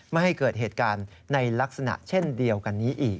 ไม่ให้เกิดเหตุการณ์ในลักษณะเช่นเดียวกันนี้อีก